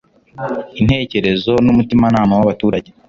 intekerezo nu mutimanama wabaturage